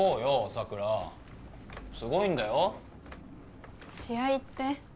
桜すごいんだよ試合って？